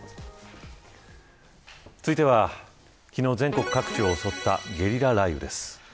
続いては、昨日全国各地を襲ったゲリラ雷雨です。